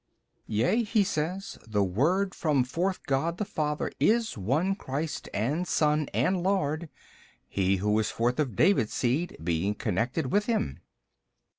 B. Yea, he says, the Word from forth God the Father is One Christ and Son and Lord, he who is forth of David's seed being connected with Him.